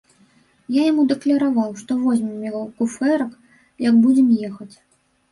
Я яму дакляраваў, што возьмем яго куфэрак, як будзем ехаць.